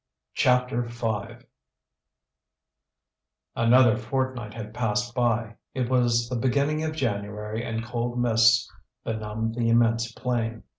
CHAPTER V Another fortnight had passed by. It was the beginning of January and cold mists benumbed the immense plain.